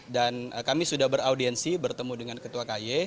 dan kami sudah beraudiensi bertemu dengan ketua ku